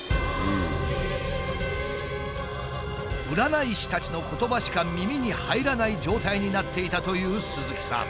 占い師たちの言葉しか耳に入らない状態になっていたという鈴木さん。